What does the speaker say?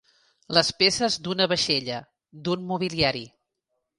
Les peces d'una vaixella, d'un mobiliari.